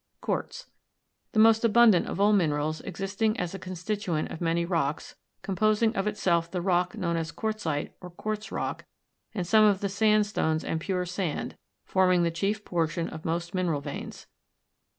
QUARTZ. The most abundant of all minerals, existing as a constituent of many rocks, composing of itself the rock known as quartzite or quartz rock and some of the sandstones and pure sand, forming the chief portion of most mineral veins.